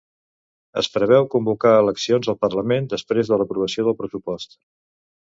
Es preveu convocar eleccions al parlament després de l'aprovació del pressupost